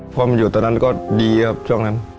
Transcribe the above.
พอมันอยู่ตอนนั้นก็ดีครับช่วงนั้น